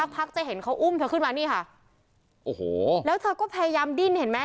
พักจะเห็นเขาอุ้มเธอขึ้นมานี่ค่ะโอ้โหแล้วเธอก็พยายามดิ้นเห็นไหม